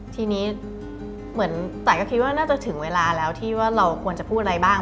ทีนี้เหมือนตายก็คิดว่าน่าจะถึงเวลาแล้วที่ว่าเราควรจะพูดอะไรบ้าง